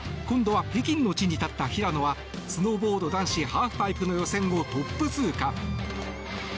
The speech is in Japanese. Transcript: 今度は北京の地に立った平野はスノーボード男子ハーフパイプの予選をトップ通過。